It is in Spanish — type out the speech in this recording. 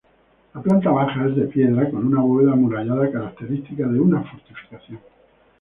La planta baja es de piedra con una bóveda amurallada, característica de una fortificación.